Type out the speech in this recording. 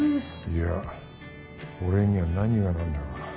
いや俺には何が何だか。